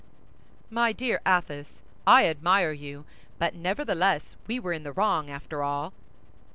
"My dear Athos, I admire you, but nevertheless we were in the wrong, after all."